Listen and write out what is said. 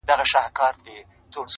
د زړه په كور كي دي بل كور جوړكړی.